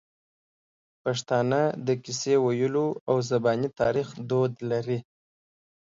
پښتانه د کیسې ویلو او زباني تاریخ دود لري.